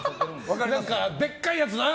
でっかいやつな！